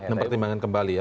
mempertimbangkan kembali ya